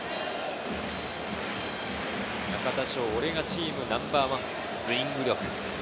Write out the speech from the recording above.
中田翔、オレがチームナンバーワンは「スイング力」。